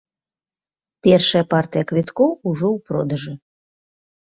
Першая партыя квіткоў ужо ў продажы.